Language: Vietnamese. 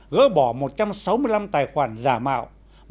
gỡ bỏ một trăm sáu mươi năm tài khoản giả mạo